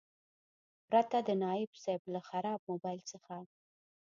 پرته د تایب صیب له خراب موبایل څخه.